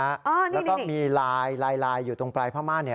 แล้วก็มีลายอยู่ตรงปลายผ้ามารเนี่ย